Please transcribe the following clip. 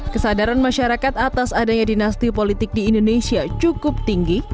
kesadaran masyarakat atas adanya dinasti politik di indonesia cukup tinggi